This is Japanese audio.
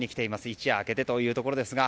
一夜明けてというところですが。